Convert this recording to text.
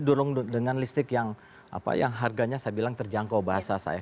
dorong dengan listrik yang harganya saya bilang terjangkau bahasa saya